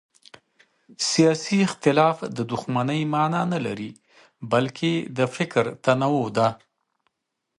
سیاسي اختلاف د دښمنۍ مانا نه لري بلکې د فکر تنوع ده